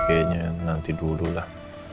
kayaknya nanti dulu lah